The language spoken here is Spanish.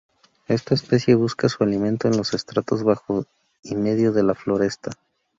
Esta especie busca su alimento en los estratos bajo y medio de la floresta.